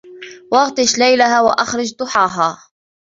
وأغطش ليلها وأخرج ضحاها